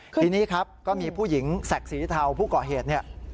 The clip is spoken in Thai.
ทีนี้ครับก็มีผู้หญิงแสกสีเทาผู้เกาะเหตุ